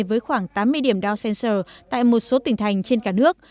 với khoảng tám mươi điểm dow sensor tại một số tỉnh thành trên cả nước